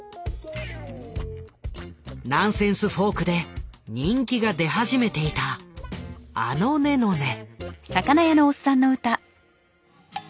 ナンセンスフォークで人気が出始めていたあのねのね。